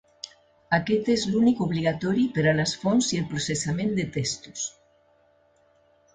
Aquest és l'únic obligatori per a les fonts i el processament de textos.